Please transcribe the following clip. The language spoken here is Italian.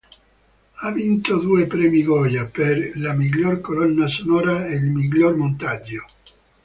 Ha vinto due Premi Goya, per la miglior colonna sonora e il miglior montaggio.